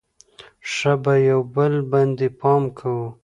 ښه به یو بل باندې پام کوو.